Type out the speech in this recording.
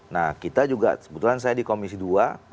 nah kita juga kebetulan saya di komisi dua